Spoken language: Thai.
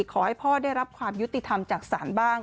ขอให้พ่อได้รับความยุติธรรมจากศาลบ้าง